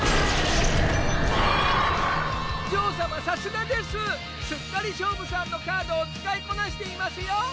さすがです！すっかり勝舞さんのカードを使いこなしていますよ！